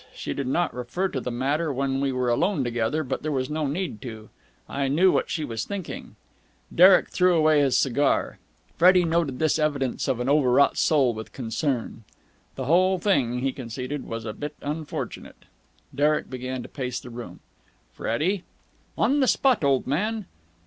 She did not refer to the matter when we were alone together, but there was no need to. I knew what she was thinking." Derek threw away his cigar. Freddie noted this evidence of an overwrought soul with concern. "The whole thing," he conceded, "was a bit unfortunate." Derek began to pace the room. "Freddie." "On the spot, old man."